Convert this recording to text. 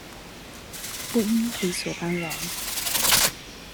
不應理所當然